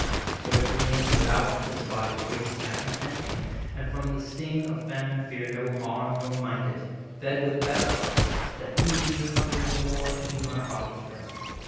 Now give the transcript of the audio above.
So it remain Without this body's wasting, I content me, And from the sting of famine fear no harm; Nor mind it, fed with better thoughts, that feed Me hungering more to do my Father's will."